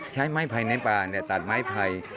ใช้ไม้ไผ่ในป่าตัดไม้ไผ่